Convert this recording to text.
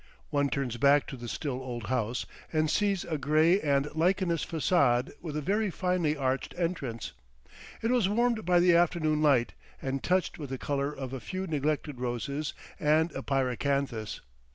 One turns back to the still old house, and sees a grey and lichenous façade with a very finely arched entrance. It was warmed by the afternoon light and touched with the colour of a few neglected roses and a pyracanthus.